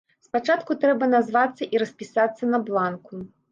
Спачатку трэба назвацца і распісацца на бланку.